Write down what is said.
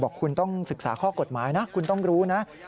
บอกคุณต้องศึกษาข้อกฎหมายนะคุณต้องรู้นะ